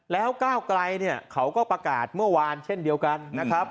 แล้วก้าวไกลเนี่ยเขาก็ประกาศเมื่อวานเช่นเดียวกันนะครับ